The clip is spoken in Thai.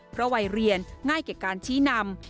เพราะวัยเรียนง่ายแก่การชี้นำ